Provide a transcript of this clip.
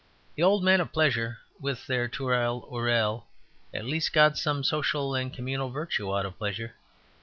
The old men of pleasure (with their tooral ooral) got at least some social and communal virtue out of pleasure.